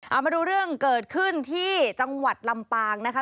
เอามาดูเรื่องเกิดขึ้นที่จังหวัดลำปางนะคะ